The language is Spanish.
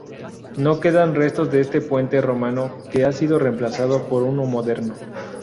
No quedan restos de este puente romano, que ha sido remplazado por uno moderno.